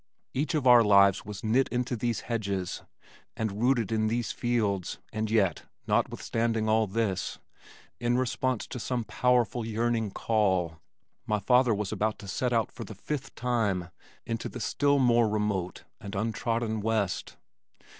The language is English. Each of our lives was knit into these hedges and rooted in these fields and yet, notwithstanding all this, in response to some powerful yearning call, my father was about to set out for the fifth time into the still more remote and untrodden west.